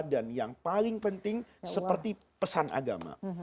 dan yang paling penting seperti pesan agama